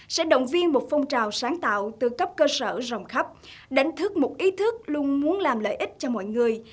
sẽ động viên một phong trào sáng tạo từ cấp cơ sở rộng khắp đánh thức một ý thức luôn muốn làm lợi ích cho mọi người